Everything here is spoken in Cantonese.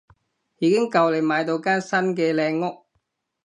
已經夠你買到間新嘅靚屋